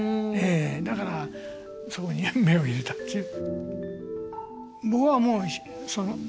だからそこに目を入れたっていう。